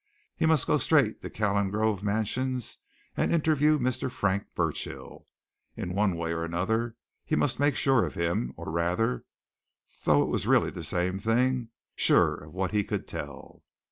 He must go straight to Calengrove Mansions and interview Mr. Frank Burchill. In one way or another he must make sure of him, or, rather though it was really the same thing sure of what he could tell.